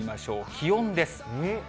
気温です。